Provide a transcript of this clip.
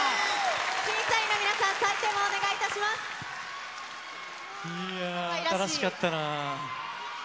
審査員の皆さん、採点をお願いやー、新しかったな。